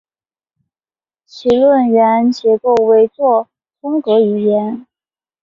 其论元结构为作通格语言。